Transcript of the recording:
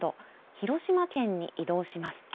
広島県に移動します。